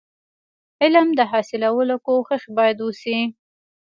علم د حاصلولو کوښښ باید وسي.